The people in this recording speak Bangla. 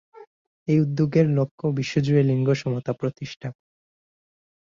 এই উদ্যোগের লক্ষ্য বিশ্বজুড়ে লিঙ্গ সমতা প্রতিষ্ঠা করা।